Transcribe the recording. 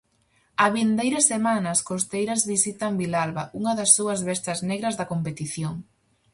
A vindeira semana as costeiras visitan Vilalba unha das súas bestas negras da competición.